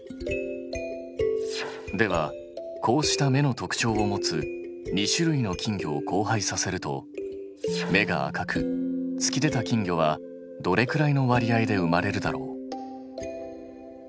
ではこうした目の特徴を持つ２種類の金魚を交配させると目が赤く突き出た金魚はどれくらいの割合で生まれるだろう？